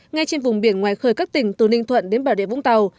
ngay trên vùng biển ngoài khơi các tỉnh từ ninh thuận đến bà rịa vũng tàu